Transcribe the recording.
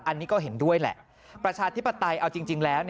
อันนี้ก็เห็นด้วยแหละประชาธิปไตยเอาจริงแล้ว